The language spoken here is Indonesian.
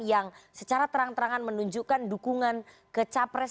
yang secara terang terangan menunjukkan dukungan ke capres